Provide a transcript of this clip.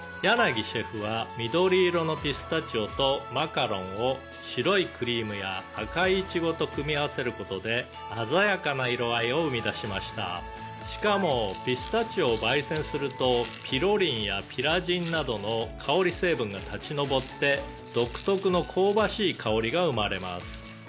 「柳シェフは緑色のピスタチオとマカロンを白いクリームや赤いイチゴと組み合わせる事で鮮やかな色合いを生み出しました」「しかもピスタチオを焙煎するとピロリンやピラジンなどの香り成分が立ち上って独特の香ばしい香りが生まれます」